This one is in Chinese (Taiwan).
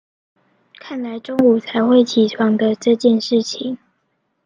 看來中午才會起床的這件事情